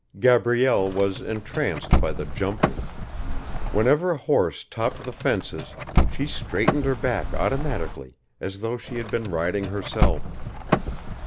Gabrielle was entranced by the jumping. Whenever a horse topped the fences she straightened her back automatically as though she had been riding herself.